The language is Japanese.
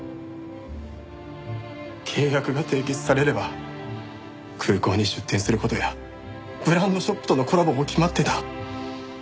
契約が締結されれば空港に出店する事やブランドショップとのコラボも決まってた。